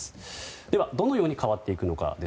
では、どのように変わっていくのか。